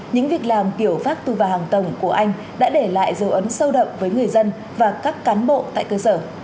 những việc làm kiểu vác tù và hàng tổng của anh đã để lại dấu ấn sâu động với người dân và các cán bộ tại cơ sở